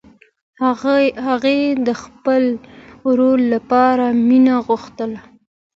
هغې د خپل ورور لپاره مینه غوښتله